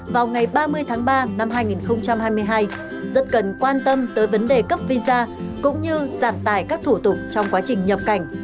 vào ngày ba mươi tháng ba năm hai nghìn hai mươi hai rất cần quan tâm tới vấn đề cấp visa cũng như giảm tài các thủ tục trong quá trình nhập cảnh